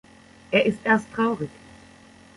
Er ist erst traurig.